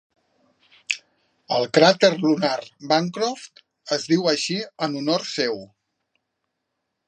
El cràter lunar Bancroft es diu així en honor seu.